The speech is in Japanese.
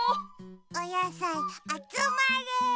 おやさいあつまれ。